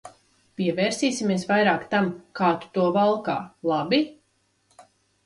Pievērsīsimies vairāk tam, kā tu to valkā, labi?